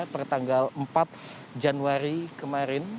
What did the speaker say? pertanggal empat januari kemarin